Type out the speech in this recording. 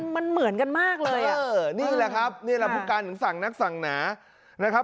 มันเหมือนกันมากเลยอ่ะเออนี่แหละครับนี่แหละผู้การถึงสั่งนักสั่งหนานะครับ